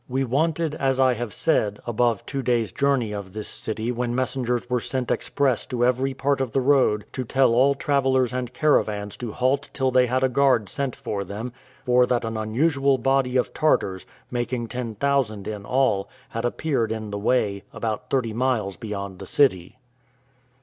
We wanted, as I have said, above two days' journey of this city when messengers were sent express to every part of the road to tell all travellers and caravans to halt till they had a guard sent for them; for that an unusual body of Tartars, making ten thousand in all, had appeared in the way, about thirty miles beyond the city.